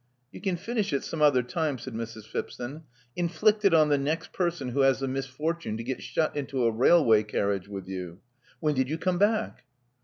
You can finish it some other time," said Mrs. Phipson. Inflict it on the next person who has the misfortune to get shut into a railway carriage with you. When did you come back?"